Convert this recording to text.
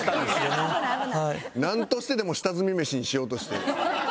なんとしてでも下積みメシにしようとして。